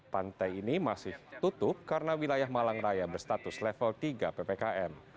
pantai ini masih tutup karena wilayah malang raya berstatus level tiga ppkm